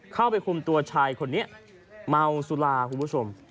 เข้าไปคุมตัวชายคนนี้เมาสุราคุณผู้ชม